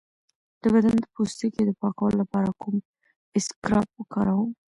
د بدن د پوستکي د پاکولو لپاره کوم اسکراب وکاروم؟